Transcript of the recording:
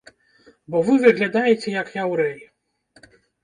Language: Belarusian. Бо вы выглядаеце як яўрэй!